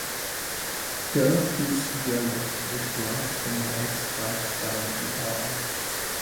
The is yellow with black and white stripes down the arm.